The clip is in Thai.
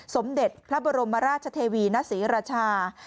สมเด็จพระบรมราชเทวีณศรีราชา